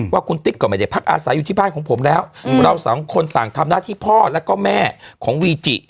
ว่าคุณติ๊กก็ไม่ได้พักอาศัยอยู่ที่บ้านของผมแล้วเราสองคนต่างทำหน้าที่พ่อแล้วก็แม่ของวีจิ